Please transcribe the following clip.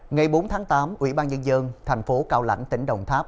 ngày bốn tháng tám ủy ban nhân dân tp cao lãnh tỉnh đồng tháp